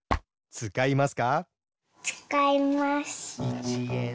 つかいます。